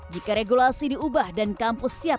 jika regulasi diubah dan kampus siap